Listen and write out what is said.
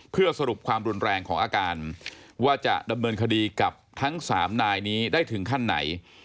เพื่อสรุปความรุนแรงของอาการว่าจะดำเนินคดีกับทั้ง๓นายนี้ได้ถึงขั้นไหน